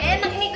makan dulu ya